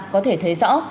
có thể thấy rõ